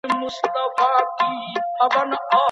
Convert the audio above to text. که ښوونځی لرې وي نو زده کوونکی ستړی کیږي.